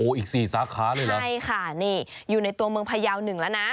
อีกสี่สาขาเลยเหรอใช่ค่ะนี่อยู่ในตัวเมืองพยาวหนึ่งแล้วนะ